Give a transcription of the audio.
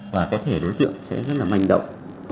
và có thể đối tượng sẽ rất là manh động